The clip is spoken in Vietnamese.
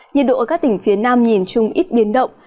nhiệt độ ở các tỉnh phía nam nhìn chung ít biến động